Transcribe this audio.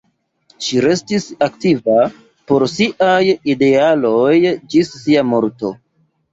Ŝi restis aktiva por siaj idealoj ĝis sia morto.